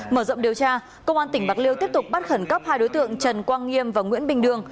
mở rộng điều tra công an tỉnh bạc liêu tiếp tục bắt khẩn cấp hai đối tượng trần quang nghiêm và nguyễn bình đường